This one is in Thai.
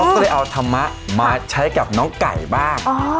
ก็เลยเอาธรรมะมาใช้กับน้องไก่บ้าง